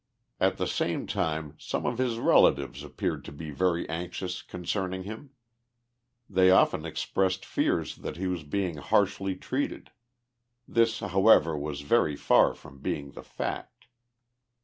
At the same time some of his relatives appeared to be very anxious concerning him. They often expressed fears that he was being harshly treated. This, however, was very far from being the fact.